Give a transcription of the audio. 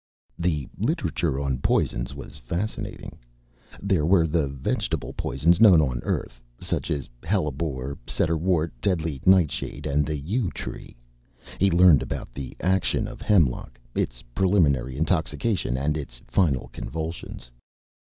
The literature on poisons was fascinating. There were the vegetable poisons known on Earth, such as hellebore, setterwort, deadly nightshade, and the yew tree. He learned about the action of hemlock its preliminary intoxication and its final convulsions.